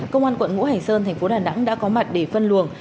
công an quận ngũ hành sơn thành phố đà nẵng đã có mặt để phân luồng